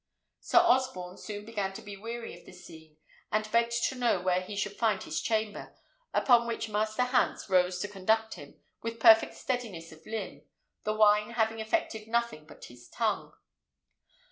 Sir Osborne soon began to be weary of the scene, and begged to know where he should find his chamber, upon which Master Hans rose to conduct him, with perfect steadiness of limb, the wine having affected nothing but his tongue.